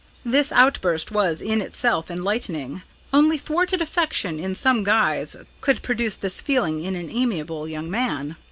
This outburst was in itself enlightening. Only thwarted affection in some guise could produce this feeling in an amiable young man.